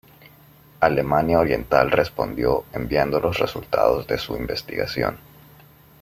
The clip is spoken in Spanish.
Alemania Oriental respondió enviando los resultados de su investigación.